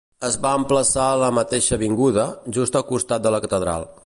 Es va emplaçar a la mateixa avinguda, just al costat de la catedral.